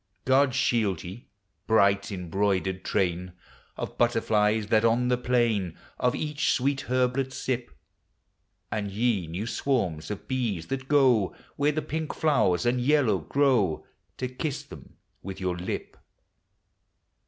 God shield ve, bright embroidered train Of butterflies, that on the plain Of each sweet herblet sip; And ye, new swarms of bees, that go Where the pink flowers and yellow grow To kiss them with your lip!